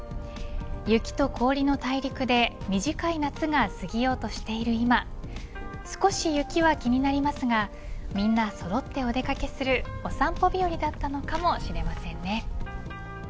雪と氷の大陸で短い夏が過ぎようとしている今少し雪は気になりますがみんなそろってお出掛けするお散歩日和だったのかもしれませんね。